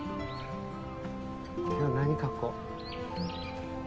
今日何描こう。